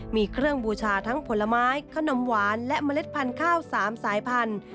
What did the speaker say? มีเครื่องบูชาทั้งผลไม้ขนมหวานและเมล็ดพันธุ์ข้าว๓สายพันธุ